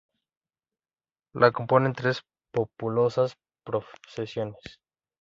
La componen tres populosas procesiones.